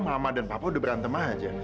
mama dan papua udah berantem aja